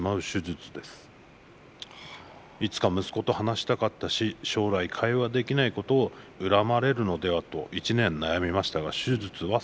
いつか息子と話したかったし将来会話できないことを恨まれるのではと１年悩みましたが手術は成功。